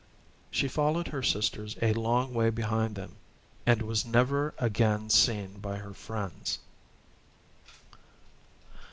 She followed her sisters a long way behind them, and was never again seen by her friends.